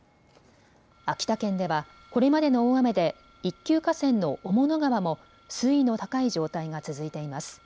秋田県ではこれまでの大雨で一級河川の雄物川も水位の高い状態が続いています。